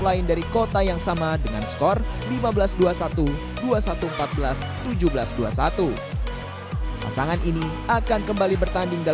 lain dari kota yang sama dengan skor lima belas dua puluh satu dua puluh satu empat belas tujuh belas dua puluh satu pasangan ini akan kembali bertanding dan